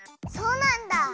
そうなんだ！